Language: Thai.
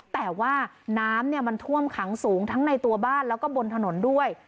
แต่ว่าน้ำมันท่วมขังสูงทั้งในตัวบ้านแล้วก็บนถนนด้วย